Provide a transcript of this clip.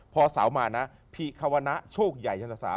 พอเสามานะภิควณะช่วงใหญ่ทั้งหมด